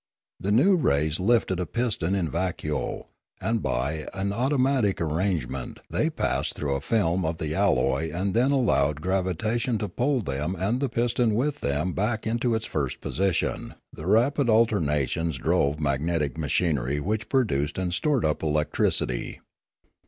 The new rays lifted a piston in vacuo, and by an auto matic arrangement they passed through a film of the alloy and then allowed gravitation to pull them and the piston with them back into its first position ; the rapid alternations drove magnetic machinery which produced and stored up electricity.